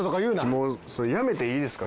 もうそれやめていいですか？